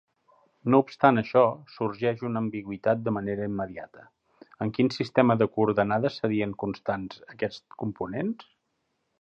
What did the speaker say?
No obstant això, sorgeix una ambigüitat de manera immediata: en quin sistema de coordenades serien constants aquests components?